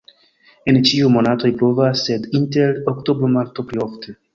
En ĉiuj monatoj pluvas, sed inter oktobro-marto pli ofte.